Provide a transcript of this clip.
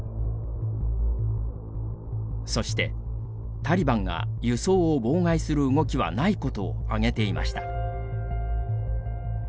そして、タリバンが輸送を妨害する動きはないことを挙げていました。